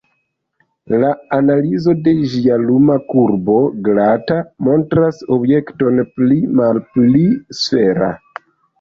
La analizo de ĝia luma kurbo, glata, montras objekton pli malpli sfera.